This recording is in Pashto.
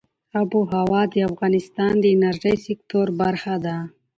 آب وهوا د افغانستان د انرژۍ سکتور برخه ده.